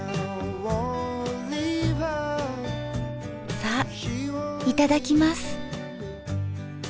さぁいただきます。